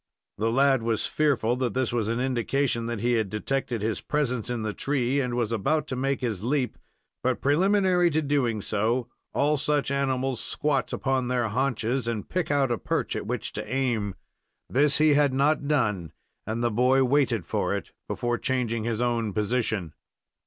The lad was fearful that this was an indication that he had detected his presence in the tree and was about to make his leap; but, preliminary to doing so, all such animals squat upon their haunches, and pick out a perch at which to aim. This he had not done, and the boy waited for it before changing his own position.